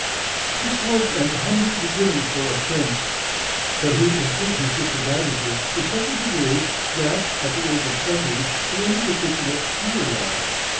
This was an humble beginning for a "prince." But he improved his disadvantages to such a degree that, at the age of twenty, he entered the kitchen of Talleyrand.